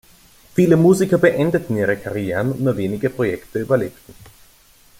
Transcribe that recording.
Viele Musiker beendeten ihre Karrieren und nur wenige Projekte überlebten.